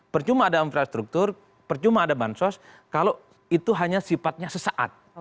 percuma ada infrastruktur percuma ada bansos kalau itu hanya sifatnya sesaat